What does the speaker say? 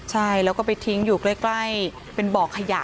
ใช่แล้วก็ไปทิ้งอยู่ใกล้เป็นบ่อขยะ